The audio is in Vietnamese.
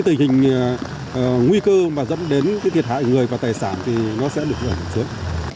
nhưng nguy cơ mà dẫn đến thiệt hại người và tài sản thì nó sẽ được dẫn xuống